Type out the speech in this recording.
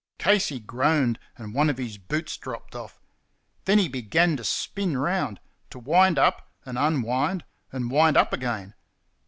Casey groaned, and one of his boots dropped off. Then he began to spin round to wind up and unwind and wind up again.